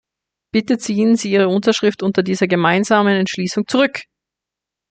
Bitte ziehen Sie Ihre Unterschrift unter dieser Gemeinsamen Entschließung zurück!